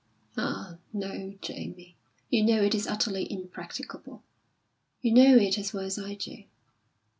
Ah, no, Jamie, you know it is utterly impracticable. You know it as well as I do.